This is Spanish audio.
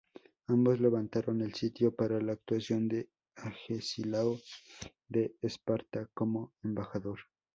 Ambos levantaron el sitio por la actuación de Agesilao de Esparta como embajador.